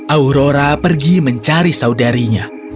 aurora pergi mencari saudarinya